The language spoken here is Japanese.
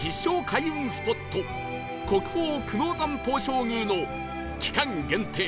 開運スポット国宝久能山東照宮の期間限定